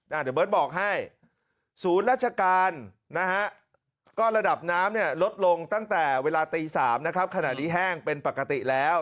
เดี๋ยวเบิร์ตบอกให้ศูนย์ราชการนะฮะก็ระดับน้ำเนี่ยลดลงตั้งแต่เวลาตี๓นะครับขณะนี้แห้งเป็นปกติแล้ว